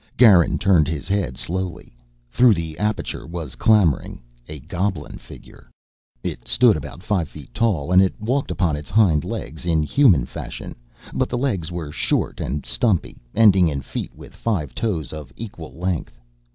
Garin turned his head slowly. Through the aperture was clambering a goblin figure. It stood about five feet tall, and it walked upon its hind legs in human fashion, but the legs were short and stumpy, ending in feet with five toes of equal length.